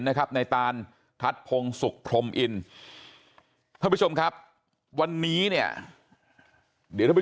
นะครับในตานทัศน์พงศ์สุขพรหมอินวันนี้เนี่ยเดี๋ยวถ้าผู้